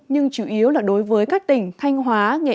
nhưng chủ yếu là đối với các tỉnh thanh hóa nghệ an